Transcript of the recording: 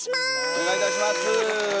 お願いいたします。